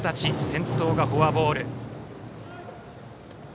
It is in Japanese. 先頭がフォアボール。